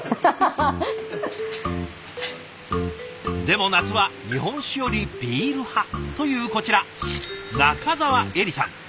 でも夏は日本酒よりビール派というこちら仲澤恵梨さん。